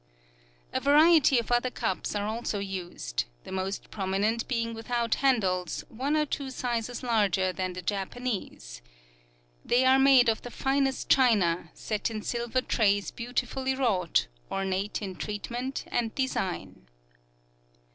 A variety of other cups are also used; the most prominent being without handles, one or two sizes larger than the Japanese. They are made of the finest china, set in silver trays beautifully wrought, ornate in treatment and design.